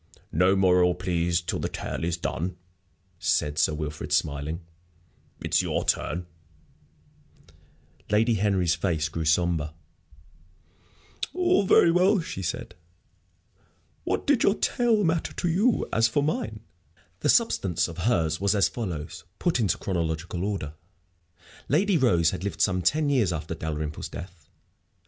"No moral, please, till the tale is done," said Sir Wilfrid, smiling. "It's your turn." Lady Henry's face grew sombre. [Illustration: "LADY HENRY LISTENED EAGERLY"] "All very well," she said. "What did your tale matter to you? As for mine " The substance of hers was as follows, put into chronological order: Lady Rose had lived some ten years after Dalrymple's death.